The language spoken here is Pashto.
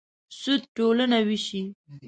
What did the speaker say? سود ټولنه وېشي.